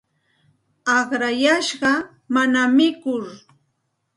Aqrayashqa mana mikur.